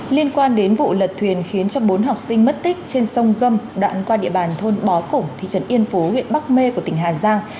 liên quan đến vụ lật thuyền khiến cho bốn học sinh mất tích trên sông gâm đoạn qua địa bàn thôn bó cùng thị trấn yên phú huyện bắc mê của tỉnh hà giang